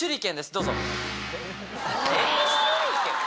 どうぞ。